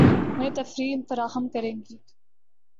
انھیں تفریح فراہم کریں گی